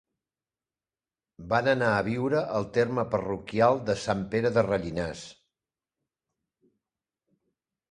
Van anar a viure al terme parroquial de Sant Pere de Rellinars.